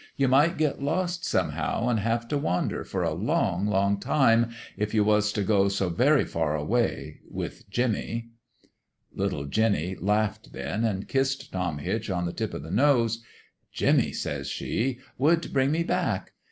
You might get lost, somehow, an' have t' wander, for a long, long time, if you was t' go so very far away with Jimmie.' " Little Jinny laughed then, an' kissed Tom Hitch on the tip o' the nose. ' Jimmie,' says she, ' would bring me back.'